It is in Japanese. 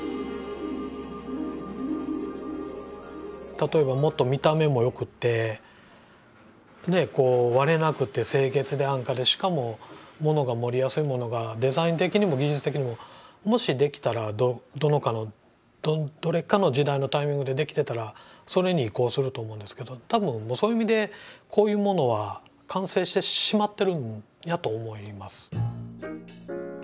例えばもっと見た目も良くて割れなくて清潔で安価でしかも物が盛りやすいものがデザイン的にも技術的にももしできたらどれかの時代のタイミングでできてたらそれに移行すると思うんですけどたぶんそういう意味でこういうものは完成してしまってるんやと思います。